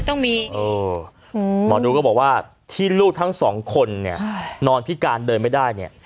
หมอดูก็บอกว่าที่ลูกทั้ง๒คนนอนพิการเนี่ยเดินไม่ได้เนี่ย